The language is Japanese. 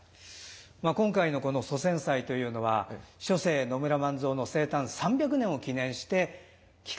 まあ今回のこの祖先祭というのは初世野村万蔵の生誕３００年を記念して企画なさったということで。